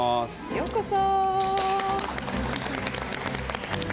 ようこそ！